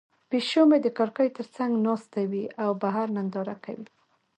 پیشو مې د کړکۍ تر څنګ ناسته وي او بهر ننداره کوي.